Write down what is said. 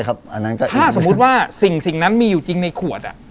ถ้าสมมุติว่าสิ่งนั้นมีอยู่จริงในขวด